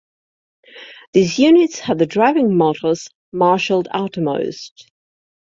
These units had the driving motors marshalled outermost.